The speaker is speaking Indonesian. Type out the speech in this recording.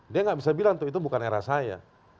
dia nggak bisa bilang tuh itu bukan era saya